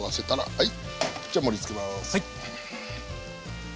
はい。